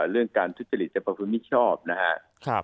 เรื่องการทุจริตในประภูมิชอบนะครับ